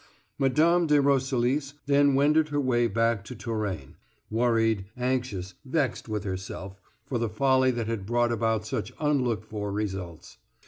Mme. de Roselis then wended her way back to Touraine, worried, anxious, vexed with herself for the folly that had brought about such unlooked for results.